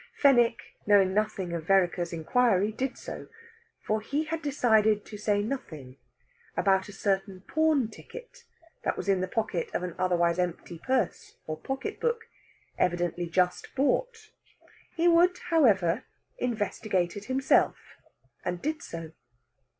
Fenwick, knowing nothing of Vereker's inquiry, did so; for he had decided to say nothing about a certain pawn ticket that was in the pocket of an otherwise empty purse or pocket book, evidently just bought. He would, however, investigate it himself, and did so.